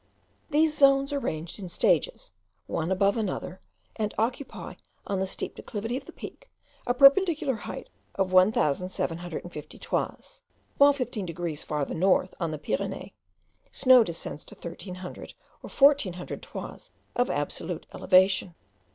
These zones are ranged in stages, one above another, and occupy, on the steep declivity of the Peak, a perpendicular height of 1750 toises; while fifteen degrees farther north, on the Pyrenees, snow descends to thirteen or fourteen hundred toises of absolute elevation.